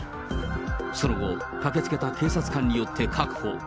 その後、駆けつけた警察官によって確保。